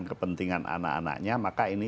kepentingan anak anaknya maka ini